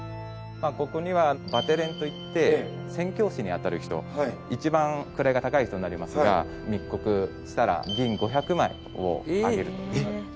ここにはバテレンといって宣教師に当たる人一番位が高い人になりますが密告したら銀５００枚をあげる。